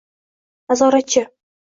nazoratchi